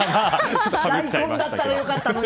大根だったら良かったのに！